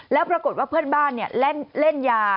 แล้วปรากฏว่าเพื่อนบ้านเล่นยา